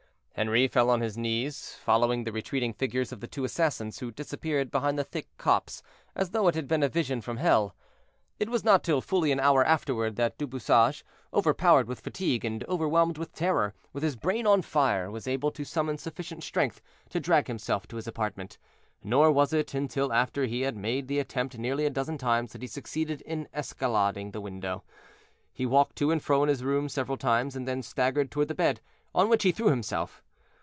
Henri fell on his knees, following the retreating figures of the two assassins, who disappeared behind the thick copse, as though it had been a vision from hell. It was not till fully an hour afterward that Du Bouchage, overpowered with fatigue and overwhelmed with terror, with his brain on fire, was able to summon sufficient strength to drag himself to his apartment, nor was it until after he had made the attempt nearly a dozen times that he succeeded in escalading the window. He walked to and fro in his room several times, and then staggered toward the bed, on which he threw himself.